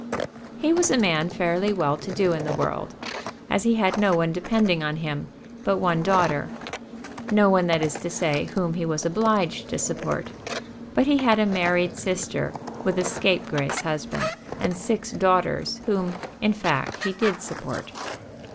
He was a man fairly well to do in the world, as he had no one depending on him but one daughter, no one, that is to say, whom he was obliged to support. But he had a married sister with a scapegrace husband and six daughters whom, in fact, he did support.